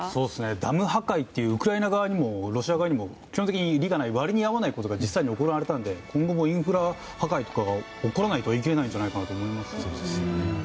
ダム破壊ってウクライナ側にもロシア側にも基本、利がないことが実際に行われたのでこれからもインフラ破壊が起こらないとは言い切れないんじゃないかなと思います。